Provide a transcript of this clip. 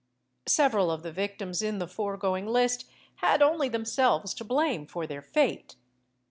Several of the victims in the foregoing list had only themselves to blame for their fate.